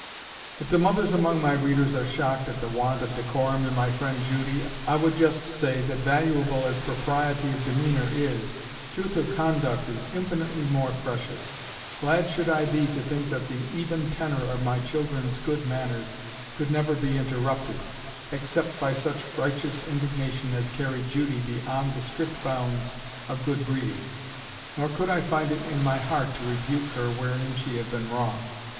If the mothers among my readers are shocked at the want of decorum in my friend Judy, I would just say, that valuable as propriety of demeanour is, truth of conduct is infinitely more precious. Glad should I be to think that the even tenor of my children's good manners could never be interrupted, except by such righteous indignation as carried Judy beyond the strict bounds of good breeding. Nor could I find it in my heart to rebuke her wherein she had been wrong.